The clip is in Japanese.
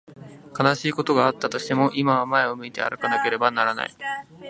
悲しいことがあったとしても、今は前を向いて歩かなければならない。